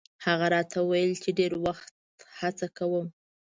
هغه راته ویل چې ډېر وخت هڅه کوم.